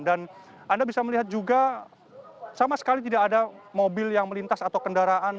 dan anda bisa melihat juga sama sekali tidak ada mobil yang melintas atau kendaraan